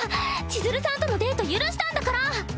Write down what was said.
千鶴さんとのデート許したんだから。